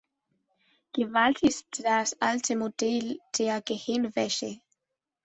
Gewalt ist das alte Modell der Gehirnwäsche.